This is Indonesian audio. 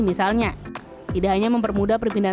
misalnya tidak hanya mempermudah perpindahan